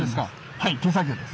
はい手作業です。